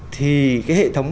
thì cái hệ thống